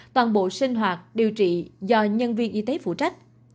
toàn bộ sinh hoạt điều trị do nhân viên y tế phụ trách